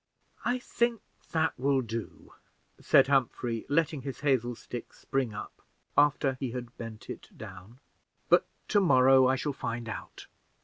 "I think that will do," said Humphrey, letting his hazel stick spring up, after he had bent it down, "but to morrow I shall find out."